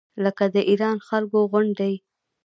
لکه د ایران خلکو غوندې.